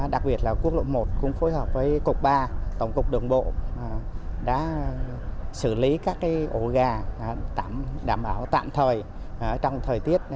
đặc biệt là quốc lộ một cũng phối hợp với cục ba tổng cục đường bộ đã xử lý các ổ gà đảm bảo tạm thời